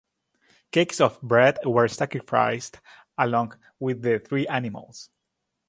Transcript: Cakes of bread were sacrificed along with the three animals.